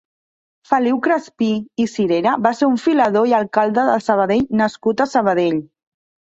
Feliu Crespí i Cirera va ser un filador i alcalde de Sabadell nascut a Sabadell.